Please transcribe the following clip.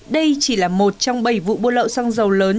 đây chỉ là một trong bảy vụ buôn lậu xăng dầu lớn